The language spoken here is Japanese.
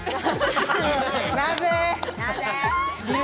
なぜ。